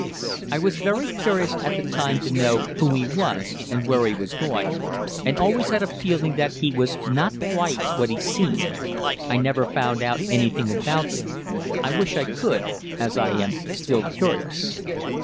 I was very curious at the time to know who he was and where he was going, and always had a feeling that he was not quite what he seemed. I never found out anything about him; I wish I could, as I am still curious.